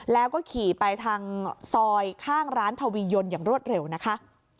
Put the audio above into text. แล้วก็ขี่ไปทางซอยข้างร้านทวียนต์อย่างรวดเร็วนะคะ